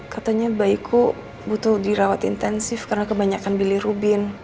katanya bayiku butuh dirawat intensif karena kebanyakan bilirubin